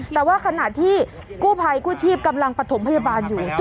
แต่ว่าขณะที่กู้ภัยกู้ชีพกำลังประถมพยาบาลอยู่